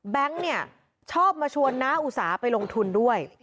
แบงค์เนี่ยชอบมาชวนนะอุตสาห์ไปลงทุนด้วย